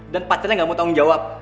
dan pacarnya nggak mau tanggung jawab